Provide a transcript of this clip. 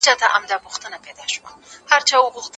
انا غوښتل چې ماشوم ته یو څه ورکړي.